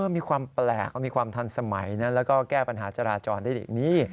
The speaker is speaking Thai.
มีความแปลกมีความทันสมัยแล้วก็แก้ปัญหาจราจรได้ดีนี่